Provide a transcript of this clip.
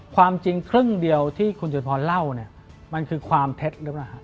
ความจริงครึ่งเดียวที่คุณจุพรเล่าเนี่ยมันคือความเท็จหรือเปล่าฮะ